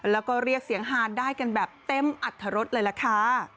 แล้วก็เรียกเสียงฮานได้กันแบบเต็มอัตรรสเลยล่ะค่ะ